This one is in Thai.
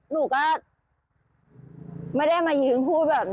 หนูก็ไม่ได้มายืนพูดแบบนี้